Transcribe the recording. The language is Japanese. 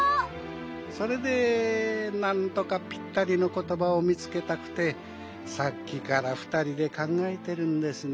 それでなんとかぴったりのことばをみつけたくてさっきからふたりでかんがえてるんですね。